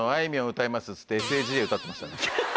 っつって「ＳＡＧＡ」歌ってましたね。